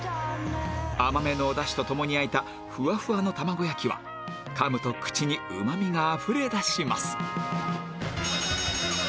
甘めのお出汁とともに焼いたふわふわの玉子焼きはかむと口にうまみがあふれだします